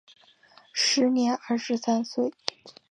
时年二十三岁。